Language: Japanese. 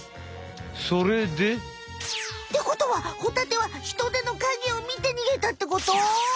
それで。ってことはホタテはヒトデの影を見てにげたってこと？